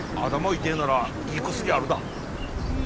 痛えならいい薬あるだ。